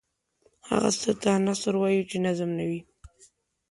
هغه څه ته نثر وايو چې نظم نه وي.